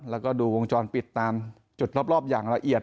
แล้วก็ดูวงจรปิดตามจุดรอบอย่างละเอียด